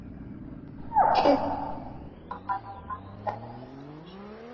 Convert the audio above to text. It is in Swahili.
ezi kuwafanyia mahesabu ya kuchosha